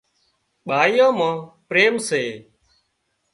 ٻائيان مان پريم سي